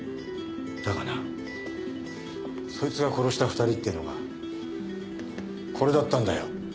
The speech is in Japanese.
だがなそいつが殺した２人ってのがこれだったんだよ。